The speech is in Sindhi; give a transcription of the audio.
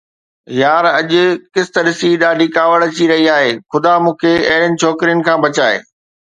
يار اڄ قسط ڏسي ڏاڍي ڪاوڙ اچي رهي آهي، خدا مون کي اهڙن ڇوڪرين کان بچائي